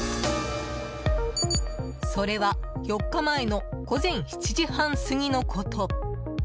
それは４日前の午前７時半過ぎのこと。